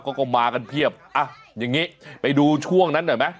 เขาก็มากันเพียบอ่ะอย่างนี้ไปดูช่วงนั้นหน่อยไหม